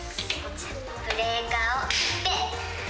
ブレーカーを切って。